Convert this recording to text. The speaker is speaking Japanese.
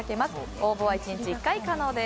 応募は１日１回可能です。